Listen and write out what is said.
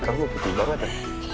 tuh aku lebih putih daripada